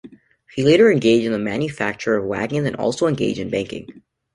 He later engaged in the manufacture of wagons and also engaged in banking.